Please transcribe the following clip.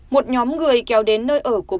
một nhóm người kéo đến nơi ở trong khu vực